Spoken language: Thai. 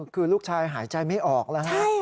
คือลูกชายหายใจไม่ออกแล้วฮะ